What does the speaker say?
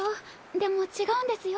でも違うんですよ。